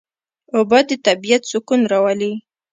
اوبه د طبیعت سکون راولي.